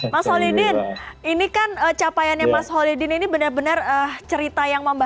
mas holy dean ini kan capaiannya mas holy dean ini benar benar cerita yang membahas